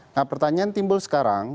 nah pertanyaan timbul sekarang